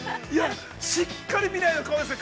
◆しっかり未来の顔ですね。